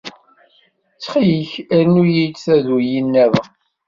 Ttxil-k, rnu-iyi-d taduli niḍen.